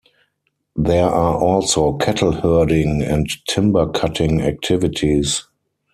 There are also cattle-herding and timber-cutting activities.